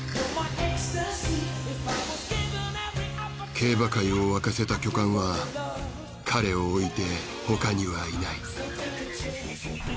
競馬界を沸かせた巨漢は彼を置いて他にはいない。